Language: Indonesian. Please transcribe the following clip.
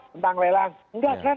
sekarang misalkan tuntutan